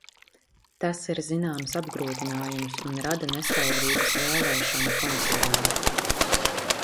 Tas ir zināms apgrūtinājums un rada neskaidrības vēlēšanu komisijām.